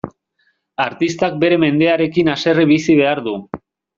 Artistak bere mendearekin haserre bizi behar du.